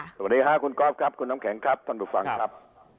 สวัสดีค่ะคุณก๊อฟครับคุณน้ำแข็งครับท่านผู้ฟังครับ